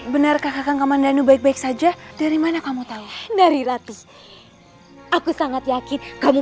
benarkah kakak kaman danu baik baik saja dari mana kamu tahu dari rati aku sangat yakin kamu